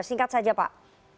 singkat saja pak